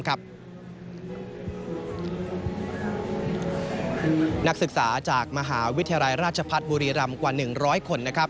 นักศึกษาจากมหาวิทยาลัยราชพัฒน์บุรีรำกว่า๑๐๐คน